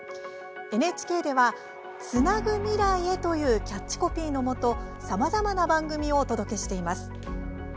ＮＨＫでは「つなぐ未来へ」というキャッチコピーのもとさまざまな番組をお届けしています。